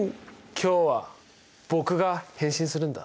今日は僕が変身するんだ。